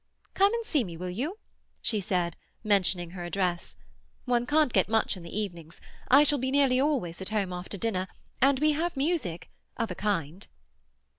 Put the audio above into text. "Come and see me, will you?" she said, mentioning her address. "One can't get out much in the evenings; I shall be nearly always at home after dinner, and we have music—of a kind."